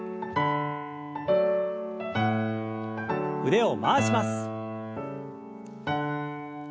腕を回します。